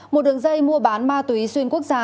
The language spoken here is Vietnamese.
một đường dây mua bán ma túy xuyên quốc gia